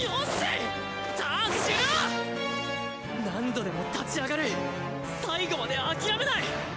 何度でも立ち上がる最後まで諦めない！